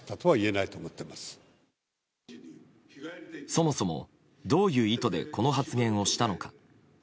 そもそも、どういう意図でこの発言をしたのか。